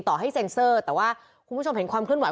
ต่อให้เซ็นเซอร์แต่ว่าคุณผู้ชมเห็นความเคลื่อนไ